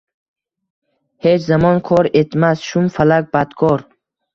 Hech zamon kor etmas, shum falak badkor.